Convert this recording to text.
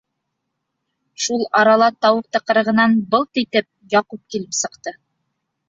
Шул арала тау тыҡрығынан, былт итеп, Яҡуп килеп сыҡты.